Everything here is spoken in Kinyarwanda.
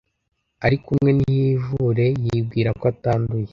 ariko umwe ntiyivure yibwira ko atanduye